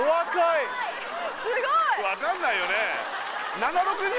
分かんないよね